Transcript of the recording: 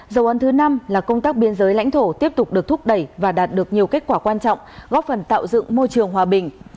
dấu ấn thứ năm là công tác biên giới lãnh thổ tiếp tục được thúc đẩy và đạt được nhiều kết quả quan trọng góp phần tạo dựng môi trường hòa bình